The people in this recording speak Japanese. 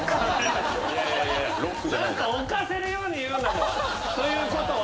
何か置かせるように言うんだもん「ということは？」